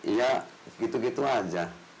ya gitu gitu aja